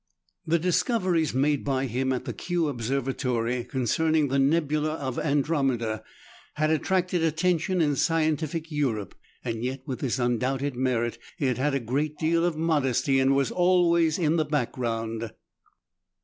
The discoveries made by him at the Kiew Observatory concerning the nebula of Andromeda had attracted attention in scientific Europe, and yet with this undoubted merit he had a great deal of modesty, and was always in the background.